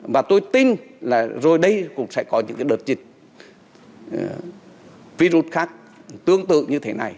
và tôi tin là rồi đây cũng sẽ có những đợt dịch virus khác tương tự như thế này